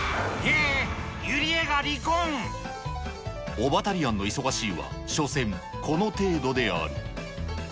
オバタリアンの忙しいはしょせん、この程度である。